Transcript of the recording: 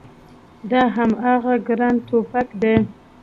دا هماغه ګران ټوپګ دی